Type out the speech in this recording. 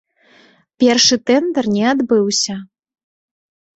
Першы тэндэр не адбыўся.